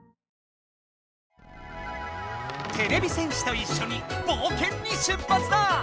てれび戦士といっしょにぼうけんに出発だ！